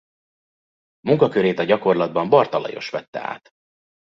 Munkakörét a gyakorlatban Bartha Lajos vette át.